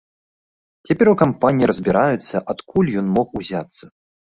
Цяпер у кампаніі разбіраюцца, адкуль ён мог узяцца.